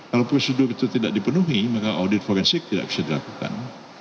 kalau prosedur itu tidak dipenuhi maka audit forensik tidak bisa dilakukan